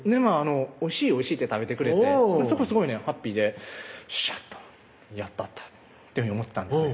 「おいしいおいしい」って食べてくれてすごいねハッピーでよっしゃとやったったっていうふうに思ってたんですね